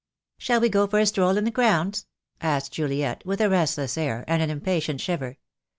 "Shall we go for a stroll in the grounds?" asked Juliet, with a restless air, and an impatient shiver.